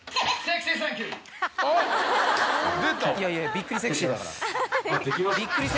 いやいやびっくりセクシーだから。